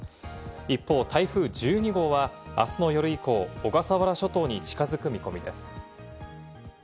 一方、台風１２号はあすの夜以降、小笠原諸島に近づく見込みです。